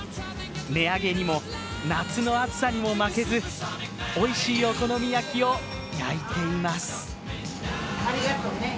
値上げにも夏の暑さにも負けずおいしいお好み焼きを焼いています。